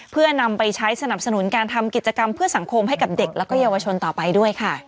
เพื่อนำไปใช้สนับสนุนการทำกิจกรรมเพื่อสังคมให้กับเด็กและเยาวชนต่อไปด้วยค่ะ